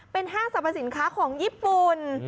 เป็นห้างสรรพสินค้าของญี่ปุ่น